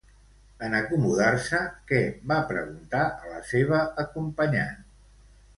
En acomodar-se, què va preguntar a la seva acompanyant?